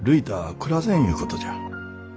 暮らせんいうことじゃ。